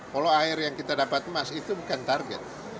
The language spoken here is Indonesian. polo air yang kita dapat emas itu bukan target